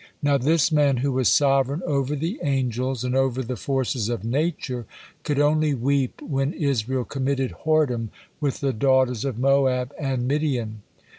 Now this man, who was sovereign over the angels and over the forces of nature, could only weep when Israel committed whoredom with the daughters of Moab and Midian.